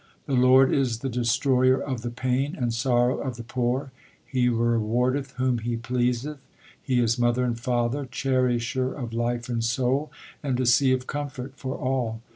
The Lord is the destroyer of the pain and sorrow of the poor ; He rewardeth whom He pleaseth ; He is mother and father, cherisher of life and soul, and a sea of comfort for all.